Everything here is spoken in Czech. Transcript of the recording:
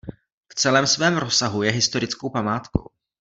V celém svém rozsahu je historickou památkou.